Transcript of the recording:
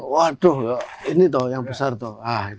waduh ini tuh yang besar tuh